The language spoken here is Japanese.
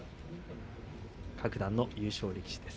各段の優勝力士です。